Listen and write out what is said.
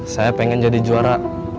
saya pengen jadi juara